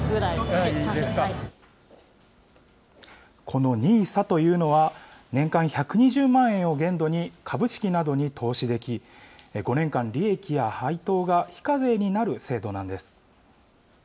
このＮＩＳＡというのは、年間１２０万円を限度に株式などに投資でき、５年間、利益や配当が非課税になる制度なんです。